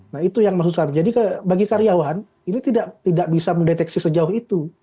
nah itu yang maksud saya jadi bagi karyawan ini tidak bisa mendeteksi sejauh itu